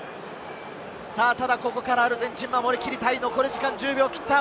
ただここからアルゼンチン、守り切りたい。